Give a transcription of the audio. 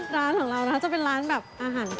ร้านของเรานะคะจะเป็นร้านแบบอาหาร